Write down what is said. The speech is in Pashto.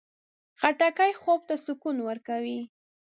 خټکی خوب ته سکون ورکوي.